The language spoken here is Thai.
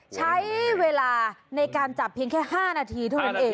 ใช้เวลาในการจับเพียงแค่๕นาทีเท่านั้นเอง